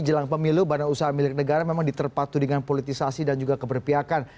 jelang pemilu badan usaha milik negara memang diterpatu dengan politisasi dan juga keberpiakan